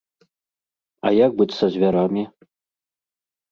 А як быць са звярамі?